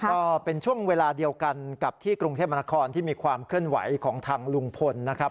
ก็เป็นช่วงเวลาเดียวกันกับที่กรุงเทพมนาคมที่มีความเคลื่อนไหวของทางลุงพลนะครับ